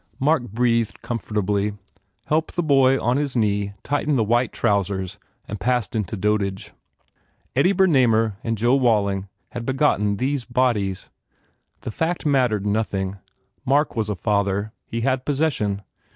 Mark breathed comfortably, helped the boy on his knee tighten the white trousers and passed into dotage. Eddie Bernamer and Joe Walling had begotten these bodies. The fact mattered noth ing. Mark was a father. He had possession.